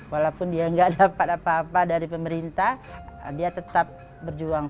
walaupun dia nggak dapat apa apa dari pemerintah dia tetap berjuang